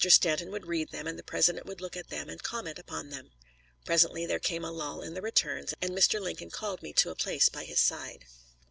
Stanton would read them, and the President would look at them and comment upon them. Presently there came a lull in the returns, and Mr. Lincoln called me to a place by his side.